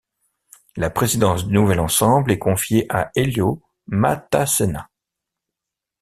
La présidence du nouvel ensemble est confiée à Elio Matacena.